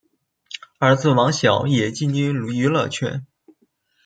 儿子王骁也进军娱乐圈。